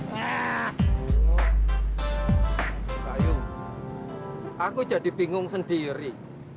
mbak yu aku jadi bingung sendiri